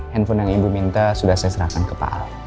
handphone yang ibu minta sudah saya serahkan ke paal